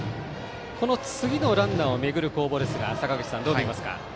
この次のランナーをめぐる攻防ですが坂口さん、どう見ますか？